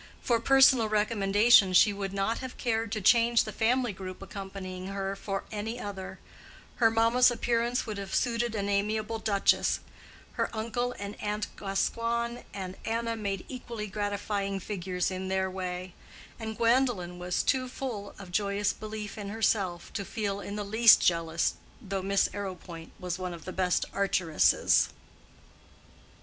For personal recommendation she would not have cared to change the family group accompanying her for any other: her mamma's appearance would have suited an amiable duchess; her uncle and aunt Gascoigne with Anna made equally gratifying figures in their way; and Gwendolen was too full of joyous belief in herself to feel in the least jealous though Miss Arrowpoint was one of the best archeresses.